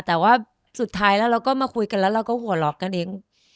แต่ว่าสุดท้ายแล้วเราก็มาคุยกันแล้วเราก็หัวเราะกันเอง